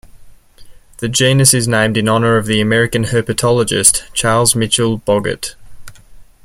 The genus is named in honor of the American herpetologist, Charles Mitchill Bogert.